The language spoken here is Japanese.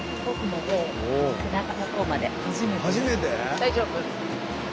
大丈夫？